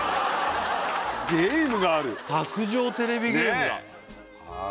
ゲームがある卓上テレビゲームだねえ